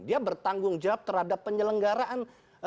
dia bertanggung jawab terhadap penyelenggaraan